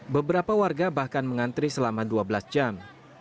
beberapa warga bahkan mengantri selama dua belas jam